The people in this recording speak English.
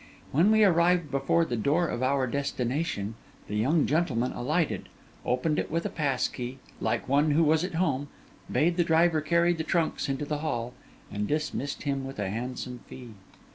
When we arrived before the door of our destination, the young gentleman alighted, opened it with a pass key like one who was at home, bade the driver carry the trunks into the hall, and dismissed him with a handsome fee.